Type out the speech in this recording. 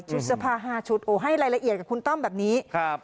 ชุดสภา๕ชุดโอ้ให้รายละเอียดกับคุณต้อมแบบนี้